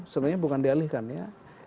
sebenarnya bukan dialihkan ya